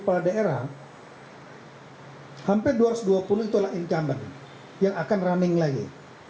pada daerah hampir dua ratus dua puluh itulah incamen yang akan running lagi